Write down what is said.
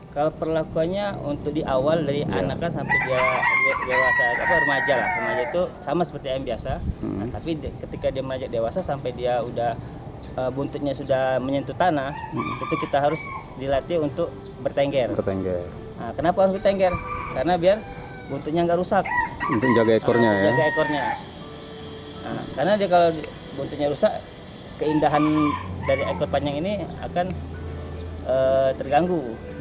keindahan dari ekor panjang ini akan terganggu